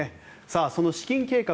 その資金計画